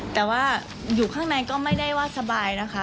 แต่ว่าอยู่ข้างในก็ไม่ได้ว่าสบายนะคะ